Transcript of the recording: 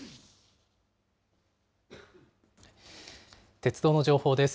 鉄道の情報です。